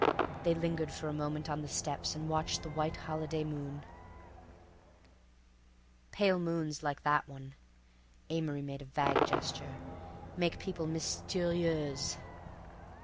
They lingered for a moment on the steps, and watched the white holiday moon. "Pale moons like that one"—Amory made a vague gesture—"make people mysterieuse.